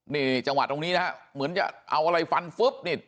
นี่จังหวะตรงนี้นะฮะเหมือนจะเอาอะไรฟันฟึ๊บนี่